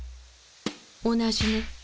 同じね。